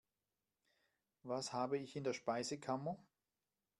Was habe ich in der Speisekammer?